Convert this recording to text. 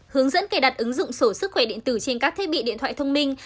hướng dẫn cài đặt ứng dụng sổ sức khỏe điện tử trên các thiết bị điện thoại thông minh